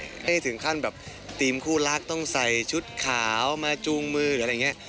ให้ถึงขั้นแบบทีมคู่รักต้องใส่ชุดขาวมาจูงมือหรืออะไรอย่างนี้